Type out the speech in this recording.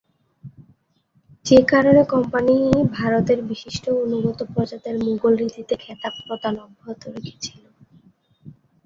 যে কারণে, কোম্পানি ভারতের বিশিষ্ট ও অনুগত প্রজাদের মুগল রীতিতে খেতাব প্রদান অব্যহত রেখেছিলো।